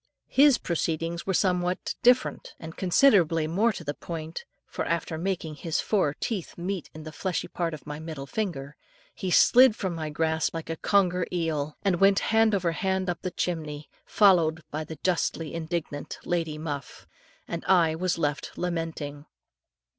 His proceedings were somewhat different, and considerably more to the point, for after making his four teeth meet in the fleshy part of my middle finger, he slid from my grasp like a conger eel, and went hand over hand up the chimney, followed by the justly indignant Lady Muff, and I was left lamenting.